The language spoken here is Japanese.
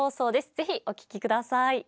ぜひお聴きください。